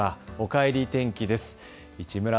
おかえり天気です。